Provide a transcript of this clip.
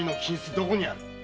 どこにある？